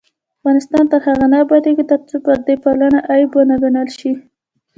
افغانستان تر هغو نه ابادیږي، ترڅو پردی پالنه عیب ونه ګڼل شي.